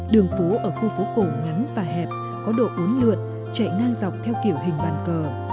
đường phố ở khu phố cổ ngắn và hẹp có độ uốn lượn chạy ngang dọc theo kiểu hình bàn cờ